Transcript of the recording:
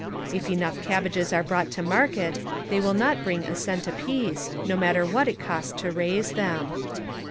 If enough cabbages are brought to market they will not bring a cent a piece, no matter what it cost to raise them.